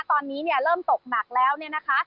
ตอนนี้เนี่ยเริ่มตกหนักแล้วเนี่ยนะคะ